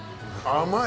甘い！